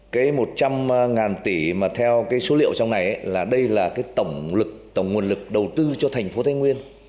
cái một trăm linh tỷ mà theo số liệu trong này là đây là tổng nguồn lực đầu tư cho thành phố thái nguyên